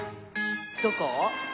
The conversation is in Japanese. どこ？